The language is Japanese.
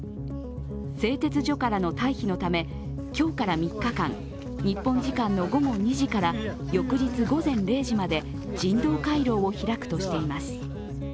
製鉄所からの退避のため今日から３日間日本時間の午後２時から翌日午前０時まで人道回廊を開くとしています。